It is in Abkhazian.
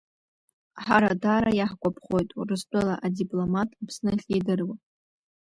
Ҳара даара иаҳгәаԥхоит, Урыстәыла адипломат Аԥсны ахьидыруа.